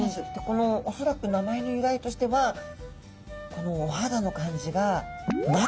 この恐らく名前の由来としてはこのお肌の感じが松の皮。